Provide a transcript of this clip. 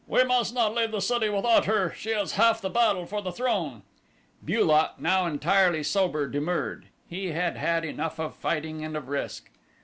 "We must not leave the city without her she is half the battle for the throne." Bu lot, now entirely sober, demurred. He had had enough of fighting and of risk.